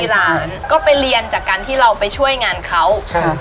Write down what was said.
หลานก็ไปเรียนจากการที่เราไปช่วยงานเขาใช่